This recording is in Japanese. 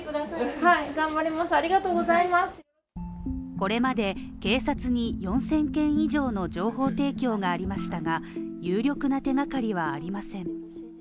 これまで警察に４０００件以上の情報提供がありましたが、有力な手がかりはありません。